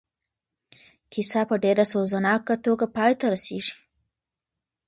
کیسه په ډېره سوزناکه توګه پای ته رسېږي.